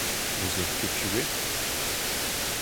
N'ouzer ket piv eo.